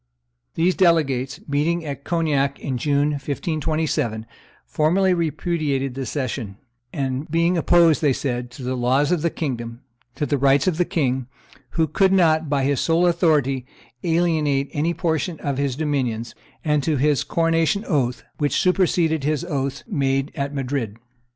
These delegates, meeting at Cognac in June, 1527, formally repudiated the cession, being opposed, they said, to the laws of the kingdom, to the rights of the king, who could not by his sole authority alienate any portion of his dominions, and to his coronation oath, which superseded his oaths made at Madrid.